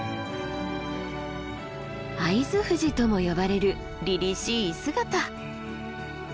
会津富士とも呼ばれるりりしい姿。